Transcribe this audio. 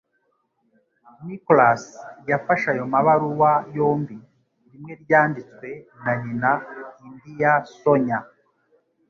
Nicholas yafashe ayo mabaruwa yombi, rimwe ryanditswe na nyina indi ya Sonya.